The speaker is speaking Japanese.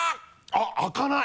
あっ開かない！